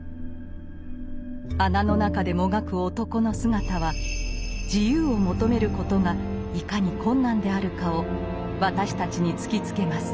穴の中でもがく男の姿は「自由」を求めることがいかに困難であるかを私たちに突きつけます。